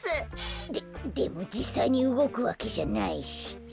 ででもじっさいにうごくわけじゃないし。